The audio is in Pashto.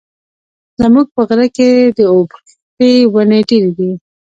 زموږ په غره کي د اوبښتي وني ډېري دي.